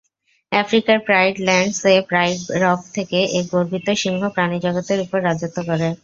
আফ্রিকার প্রাইড ল্যান্ডস-এ pride rock থেকে এক গর্বিত সিংহ প্রাণীজগতের উপরে রাজত্ব করে।